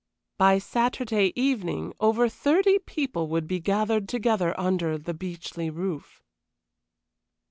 By Saturday evening over thirty people would be gathered together under the Beechleigh roof.